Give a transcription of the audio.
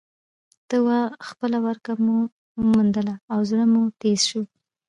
ته وا خپله ورکه مې وموندله او زړه مې تیز شو.